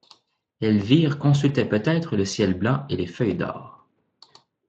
Elvire consultait peut-être le ciel blanc et les feuilles d'or.